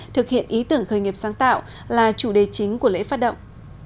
thực hiện ý tưởng khởi nghiệp sáng tạo là chủ đề chính của lễ phát động